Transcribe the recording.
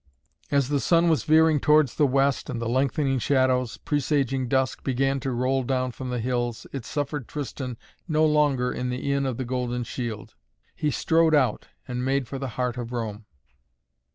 As the sun was veering towards the west and the lengthening shadows, presaging dusk, began to roll down from the hills it suffered Tristan no longer in the Inn of the Golden Shield. He strode out and made for the heart of Rome.